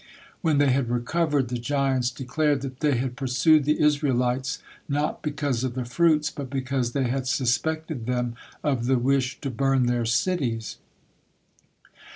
When they had recovered, the giants declared that they had pursued the Israelites not because of the fruits, but because they had suspected them of the wish to burn their cities.